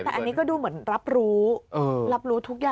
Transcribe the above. แต่อันนี้ก็ดูเหมือนรับรู้รับรู้ทุกอย่าง